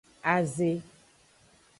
Aze.